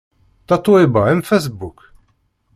Tatoeba am Facebook?